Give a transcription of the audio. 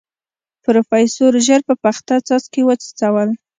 پروفيسر ژر په پخته څاڅکي وڅڅول.